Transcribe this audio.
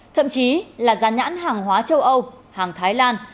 thậm chí là gian nhãn hàng hóa châu âu hàng thái lan